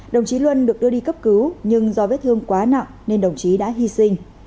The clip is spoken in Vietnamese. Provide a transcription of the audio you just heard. đồng chí luân được đưa đi cấp cứu nhưng do vết thương quá nặng nên đồng chí đã hy sinh